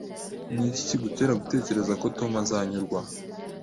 Niki kigutera gutekereza ko Tom azanyumva?